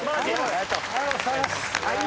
ありがとうございます。